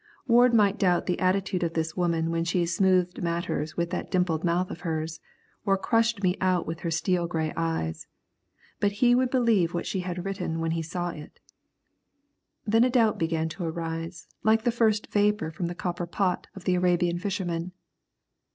Ward might doubt the attitude of this woman when she smoothed matters with that dimpled mouth of hers, or crushed me out with her steel grey eyes; but he would believe what she had written when he saw it. Then a doubt began to arise like the first vapour from the copper pot of the Arabian fisherman.